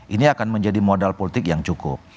ini akan menjadi modal politik yang cukup